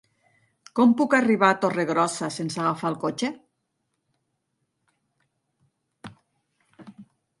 Com puc arribar a Torregrossa sense agafar el cotxe?